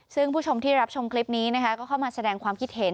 ซึ่งผู้ชมที่รับชมคลิปนี้นะคะก็เข้ามาแสดงความคิดเห็น